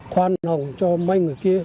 khoan hồng cho mấy người kia